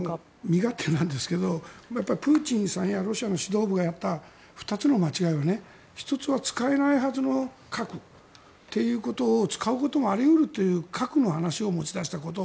身勝手なんですけどやっぱりプーチンさんやロシアの指導部がやった２つの間違いは１つは使えないはずの核ということを使うこともあり得るという核の話を持ち出したこと。